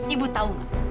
ibu tahu nggak